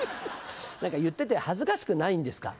何か言ってて恥ずかしくないんですか？